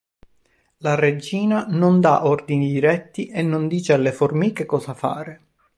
La regina non dà ordini diretti e non dice alle formiche cosa fare.